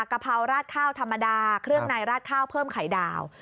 กะเพราราดข้าวธรรมดาเครื่องในราดข้าวเพิ่มไข่ดาว